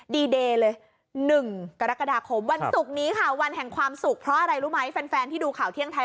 ดีเดย์เลย๑กรกฎาคมวันศุกร์นี้ค่ะวันแห่งความสุข